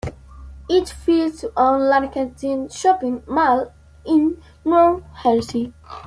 It was the first large scale shopping mall in New Jersey.